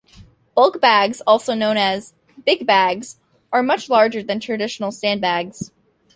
Bulk bags, also known as big bags, are much larger than traditional sandbags.